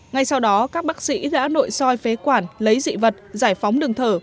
ngay sau đó các bác sĩ đã nội soi phế quản lấy dị vật giải phóng đường thở